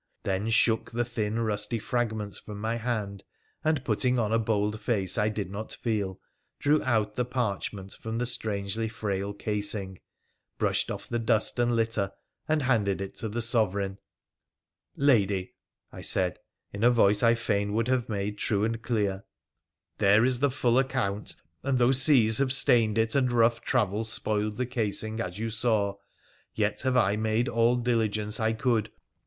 Then shook the thin, rusty fragments from my hand, and, putting on a bold face I did not feel, drew out the parchment from the strangely frail casing, brushed off the dust and litter, and handed it to the Sovereign. ' Lady,' I said in a voice I fain would have made true and clear, * there is the full account, and though seas have stained it, and rough travel spoiled the casing, as you saw, yet have I made all diligence I could.